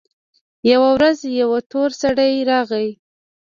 يوه ورځ يو تور سړى راغى.